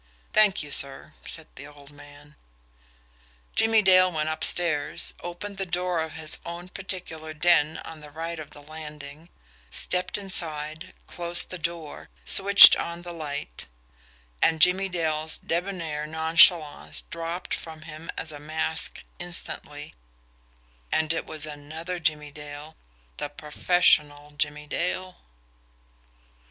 "Thank you, sir," said the old man. Jimmie Dale went upstairs, opened the door of his own particular den on the right of the landing, stepped inside, closed the door, switched on the light and Jimmie Dale's debonair nonchalance dropped from him as a mask instantly and it was another Jimmie Dale the professional Jimmie Dale.